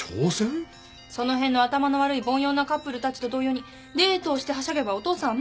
その辺の頭の悪い凡庸なカップルたちと同様にデートをしてはしゃげばお父さんは満足なんでしょう。